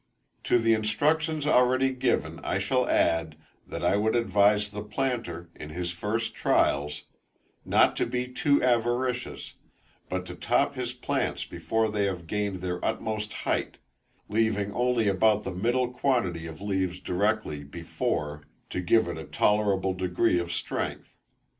To the instructions already given I shall add, that I would advise the planter, in his first trials, not to be too avaricious, but to top his plants before they have gained their utmost height; leaving only about the middle quantity of leaves directed before, to give it a tolerable degree of strength.